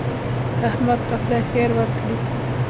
احمد ته خدای خیر ورکړي.